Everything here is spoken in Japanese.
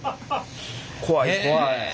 怖い怖い。